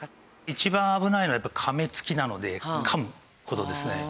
一番危ないのはやっぱ「カミツキ」なので噛む事ですね。